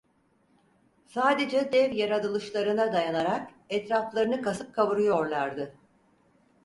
Sadece dev yaradılışlarına dayanarak etraflarını kasıp kavuruyorlardı.